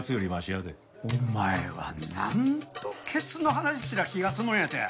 お前は何度ケツの話すりゃ気が済むんやて！